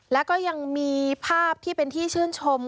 แล้วก็ยังมีภาพที่เป็นที่ชื่นชม